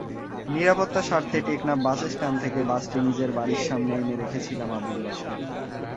নিরাপত্তার স্বার্থে টেকনাফ বাসস্ট্যান্ড থেকে বাসটি নিজের বাড়ির সামনে এনে রেখেছিলেন আবুল বাশার।